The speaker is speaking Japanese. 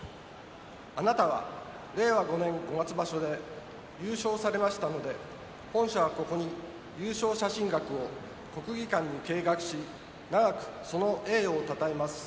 あなたは令和５年五月場所で優勝されましたので本社は、ここに優勝写真額を国技館に掲額し永くその栄誉をたたえます。